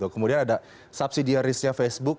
kemudian ada subsidiarisnya facebook